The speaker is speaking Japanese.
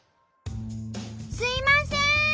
すいません！